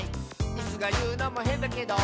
「イスがいうのもへんだけど」